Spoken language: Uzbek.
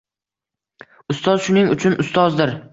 Ustoz shuning uchun Ustozdir.